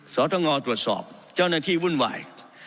สตงตรวจสอบเจ้าหน้าที่วุ่นวาย